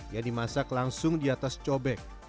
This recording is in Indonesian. yang dimasak langsung di atas cobek